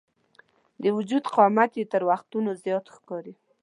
د وجود قامت یې تر وختونو زیات ښکاري.